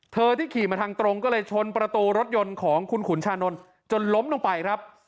ที่ขี่มาทางตรงก็เลยชนประตูรถยนต์ของคุณขุนชานนท์จนล้มลงไปครับ